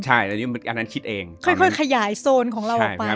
ค่อยขยายโซนของเราออกไป